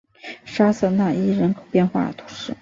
沙瑟讷伊人口变化图示